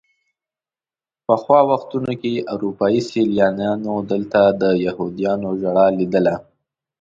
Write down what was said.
پخوا وختونو کې اروپایي سیلانیانو دلته د یهودیانو ژړا لیدله.